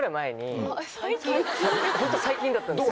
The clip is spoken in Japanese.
ホント最近だったんですよ。